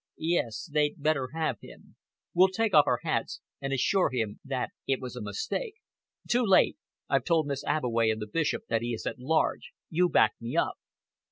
"Yes, they'd better have him. We'll take off our hats, and assure him that it was a mistake." "Too late. I've told Miss Abbeway and the Bishop that he is at large. You backed me up."